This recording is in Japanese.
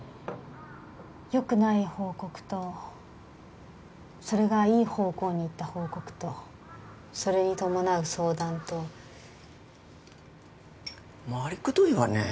よくない報告とそれがいい方向にいった報告とそれに伴う相談と回りくどいわね